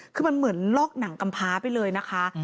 คือมันเหมือนลอกหนังกำพ้าไปเลยนะคะ